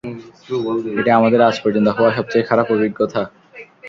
এটা আমাদের আজ পর্যন্ত হওয়া সবচেয়ে খারাপ অভিজ্ঞতা।